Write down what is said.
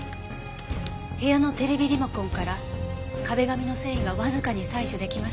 部屋のテレビリモコンから壁紙の繊維がわずかに採取できました。